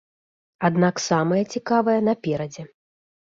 Аднак самае цікавае наперадзе.